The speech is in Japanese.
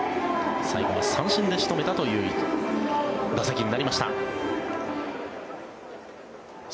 最後も三振で仕留めたという打席になりました。